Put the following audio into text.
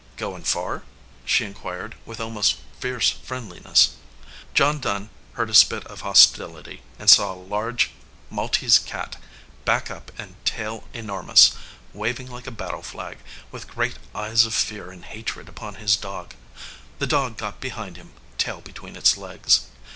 "Goin far?" she inquired, with almost fierce friendliness. John Dunn heard a spit of hostility, and saw a large Maltese cat, back up and tail enormous, wav ing like a battle flag, with great eyes of fear and hatred upon his dog. The dog got behind him, tail between its legs.